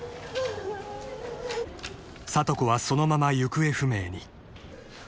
［里子はそのまま行方不明に］